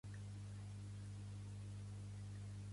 Quins canvis voldria realitzar, senyora.